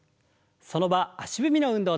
その場足踏みの運動です。